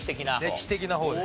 歴史的な方で。